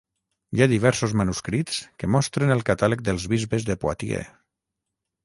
Hi ha diversos manuscrits que mostren el catàleg dels bisbes de Poitiers.